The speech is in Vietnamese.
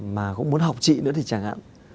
mà cũng muốn học chị nữa thì chẳng hạn